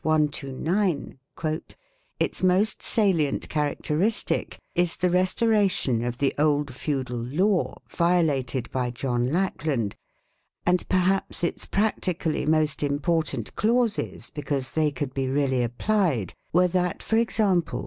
129 : "Its most salient characteristic is the restoration of the old feudal law, violated by John Lackland, and perhaps its practically most important clauses, because they could be really applied, were that for example which limited the right of relief.